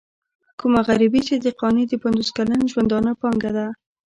کومه غريبي چې د قانع د پنځوس کلن ژوندانه پانګه ده.